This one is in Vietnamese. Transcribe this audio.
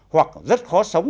hoặc rất khó sống